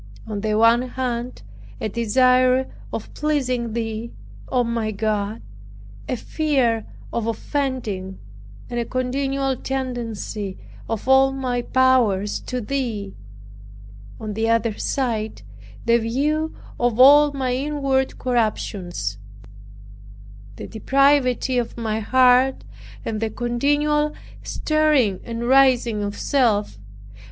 On the one hand, a desire of pleasing Thee, O my God, a fear of offending, and a continual tendency of all my powers to Thee on the other side, the view of all my inward corruptions, the depravity of my heart, and the continual stirring and rising of self.